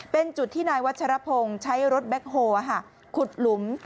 เป็นจุดที่นายวัชรพงศ์ใช้รถแบ็คโฮลขุดหลุม